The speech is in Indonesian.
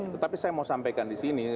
tetapi saya mau sampaikan disini